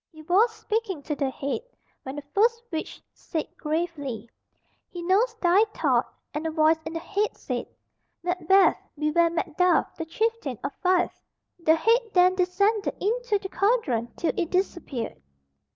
He was speaking to the head, when the first witch said gravely, "He knows thy thought," and a voice in the head said, "Macbeth, beware Macduff, the chieftain of Fife." The head then descended Into the cauldron till it disappeared.